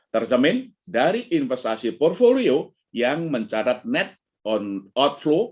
tercermin dari investasi portfolio yang mencatat net on outflow